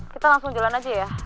kita langsung jalan aja ya